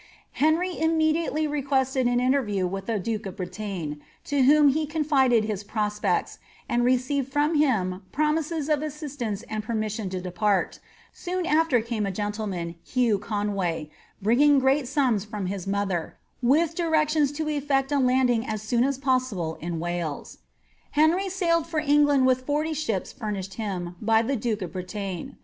Henry im aediately requested an interview with the duke of Bretagne, to whom be confided his prospects, and received from him promises of assistance lad permission to depart : soon af\er came a gentleman, Hugh Conway^ Ivinging great sums from his mother, with directions to eflect a landing H soon as possible in Wales. Henry sailed for England with forty ships funished him by the duke of Bretagne.